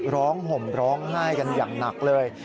ห่มร้องไห้กันอย่างหนักเลย